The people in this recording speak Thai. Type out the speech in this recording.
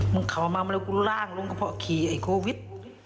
เข้ามามาแล้วกูร่างลุงกระเพาะขี่ไอ้โควิด